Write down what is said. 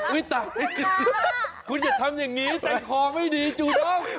อุ๊ยตายคุณอย่าทำอย่างนี้แต่งคอไม่ดีจู๊ต้อง